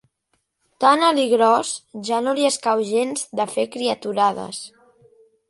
Tan alt i gros, ja no li escau gens de fer criaturades.